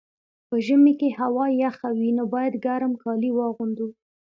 په ژمي کي هوا یخه وي، نو باید ګرم کالي واغوندو.